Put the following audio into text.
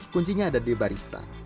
kuncinya ada di barista